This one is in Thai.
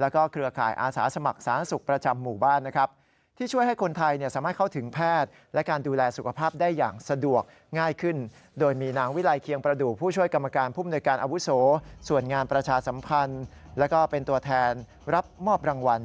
แล้วก็เครือข่ายอาสาสมัครสาธารณสุขประจำหมู่บ้าน